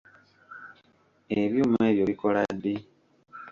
Ebyuma ebyo bikola ddi?